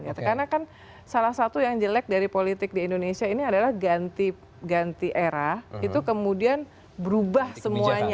karena kan salah satu yang jelek dari politik di indonesia ini adalah ganti era itu kemudian berubah semuanya